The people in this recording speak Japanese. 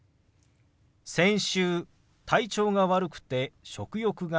先週体調が悪くて食欲がなかったの。